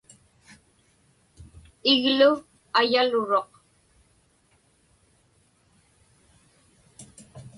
Iglu ayaluruq.